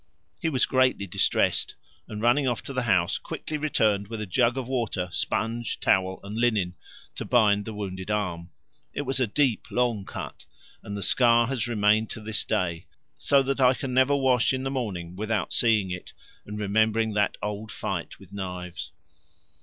He was greatly distressed, and' running off to the house, quickly returned with a jug of water, sponge, towel, and linen to bind the wounded arm. It was a deep long cut, and the scar has remained to this day, so that I can never wash in the morning without seeing it and remembering that old fight with knives.